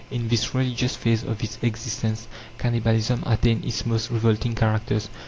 In this religious phase of its existence, cannibalism attained its most revolting characters.